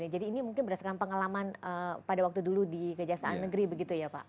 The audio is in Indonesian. jadi ini berdasarkan pengalaman pada waktu dulu di kejaksaan negeri begitu ya pak